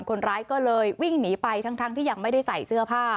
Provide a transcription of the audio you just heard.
คนร้ายก็เลยวิ่งหนีไปทั้งที่ยังไม่ได้ใส่เสื้อผ้า